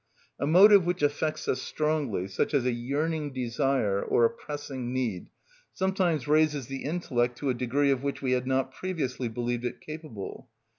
A motive which affects us strongly, such as a yearning desire or a pressing need, sometimes raises the intellect to a degree of which we had not previously believed it capable.